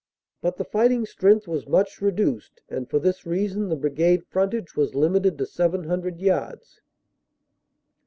But the fighting strength was much reduced, and for this reason the Brigade frontage was limited to 700 yards.